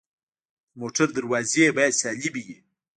د موټر دروازې باید سالمې وي.